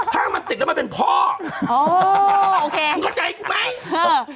ถ้ามันติดแล้วมันเป็นพ่อโอ้โหโอเคคุณเข้าใจกูไหมอ่า